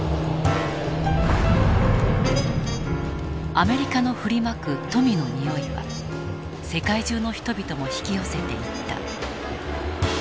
アメリカの振りまく富のにおいは世界中の人々も引き寄せていった。